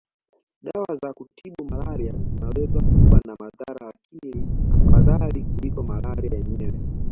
Dawa za kutibu malaria zinaweza kuwa na madhara lakini ni afadhali kuliko malaria yenyewe